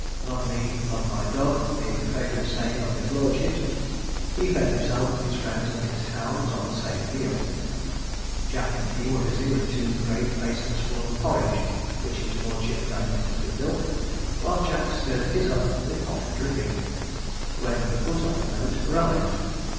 'Love me, love my dog,' being a favourite saying of his lordship's, he fed himself, his friends, and his hounds, on the same meal. Jack and he were busy with two great basins full of porridge, which his lordship diluted with milk, while Jack stirred his up with hot dripping, when the put off note arrived.